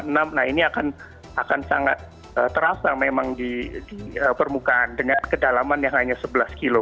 nah ini akan sangat terasa memang di permukaan dengan kedalaman yang hanya sebelas km